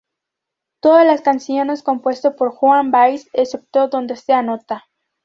Todas las canciones compuestas por Joan Baez excepto donde se anota.